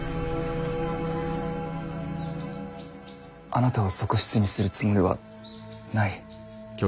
あなたを側室にするつもりはない。